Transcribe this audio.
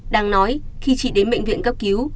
đang nói khi chị đến mệnh viện cấp cứu